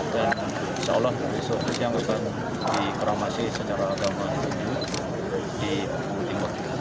dan insya allah besok siang akan diperamasi secara agama di timur